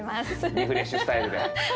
リフレッシュスタイルで。